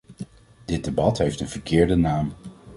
Dit debat heeft een verkeerde naam.